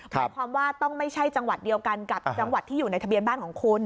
หมายความว่าต้องไม่ใช่จังหวัดเดียวกันกับจังหวัดที่อยู่ในทะเบียนบ้านของคุณ